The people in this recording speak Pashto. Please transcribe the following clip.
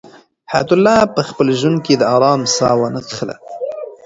حیات الله په خپل ژوند کې د آرام ساه ونه کښله.